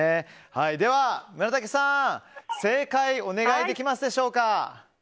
では村武さん正解をお願いできますでしょうか。